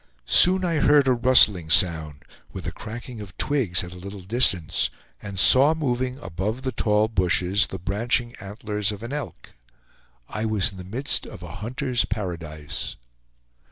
Soon I heard a rustling sound, with a cracking of twigs at a little distance, and saw moving above the tall bushes the branching antlers of an elk. I was in the midst of a hunter's paradise.